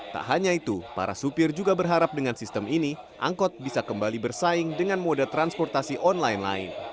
tak hanya itu para supir juga berharap dengan sistem ini angkot bisa kembali bersaing dengan moda transportasi online lain